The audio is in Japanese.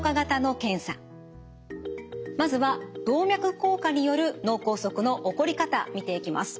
まずは動脈硬化による脳梗塞の起こり方見ていきます。